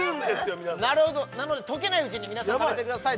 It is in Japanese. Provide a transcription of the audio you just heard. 皆さんなので溶けないうちに皆さん食べてください